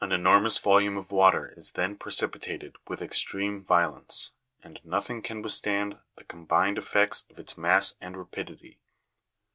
129 enormous volume of water is then precipitated with extreme vio lence, and nothing can withstand the combined effects of its mass and rapidity.